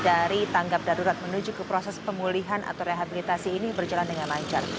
dari tanggap darurat menuju ke proses pemulihan atau rehabilitasi ini berjalan dengan lancar